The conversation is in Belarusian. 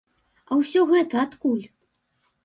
А ўсё гэта адкуль?